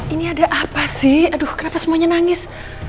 ini ada apa sih aduh kenapa semuanya nangis